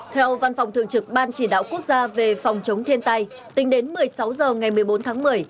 theo văn phòng thường trực ban chỉ đạo quốc gia về phòng chống thiên tai tính đến một mươi sáu h ngày một mươi bốn tháng một mươi